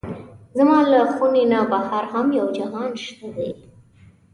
زما له خونې نه بهر هم یو جهان شته دی.